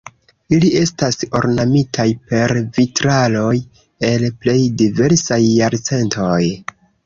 Ili estas ornamitaj per vitraloj el plej diversaj jarcentoj.